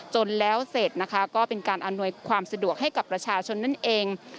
จนแล้วเสร็จนะคะก็เป็นการอำนวยความสะดวกให้กับประชาชนนั่นเอง